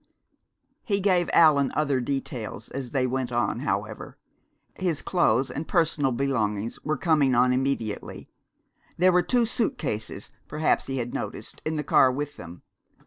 He gave Allan other details as they went on, however. His clothes and personal belongings were coming on immediately. There were two suit cases, perhaps he had noticed, in the car with them.